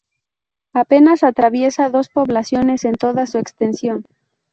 Apenas atraviesa dos poblaciones en toda su extensión.